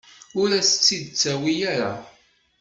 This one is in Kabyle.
Ur as-tt-id-ttawi ara.